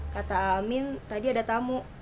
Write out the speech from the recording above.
kata amin tadi ada tamu